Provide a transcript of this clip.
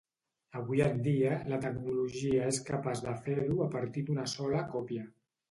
Avui en dia, la tecnologia és capaç de fer-ho a partir d'una sola còpia.